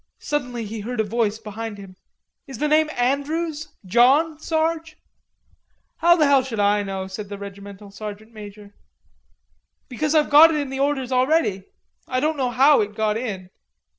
Suddenly he heard a voice behind him: "Is the name Andrews, John, Sarge?" "How the hell should I know?" said the regimental sergeant major. "Because I've got it in the orders already.... I don't know how it got in."